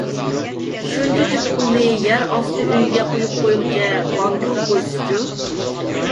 شۇنچە جىق پۇلنى يەر ئاستى ئۆيىگە قويۇپ قويغۇچە بانكىغا قويسىچۇ؟